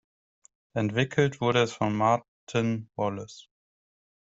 Entwickelt wurde es von Martin Wallace.